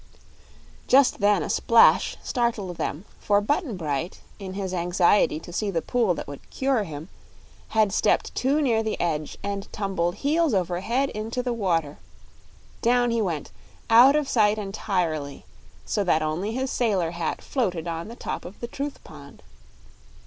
Just then a splash startled them, for Button Bright, in his anxiety to see the pool that would "cure" him, had stepped too near the edge and tumbled heels over head into the water. Down he went, out of sight entirely, so that only his sailor hat floated on the top of the Truth Pond.